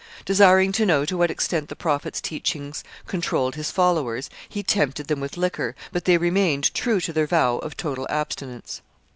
Desiring to know to what extent the Prophet's teachings controlled his followers, he tempted them with liquor, but they remained true to their vow of total abstinence.